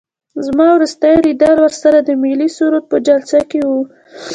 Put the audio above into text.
زما وروستی لیدل ورسره د ملي سرود په جلسه کې وو.